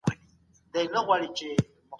بې له کورنۍ روزنې ریښتینولي نه زده کېږي.